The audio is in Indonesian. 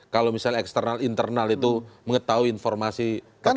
kalau misalnya eksternal internal itu mengetahui informasi terkait apa misalnya